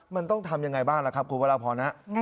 มันต้องทำยังไงบ้างล่ะครับคุณพระราพรนะ